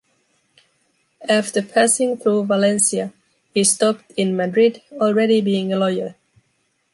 After passing through Valencia, he stopped in Madrid already being a lawyer.